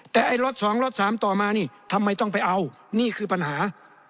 แต่ไอ้ล็อต๒ล็อต๓ต่อมานี่ทำไมต้องไปเอานี่คือปัญหา